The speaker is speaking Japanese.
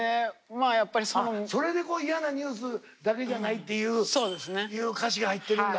それで「嫌なニュースだけじゃない」っていう歌詞が入ってるんだ。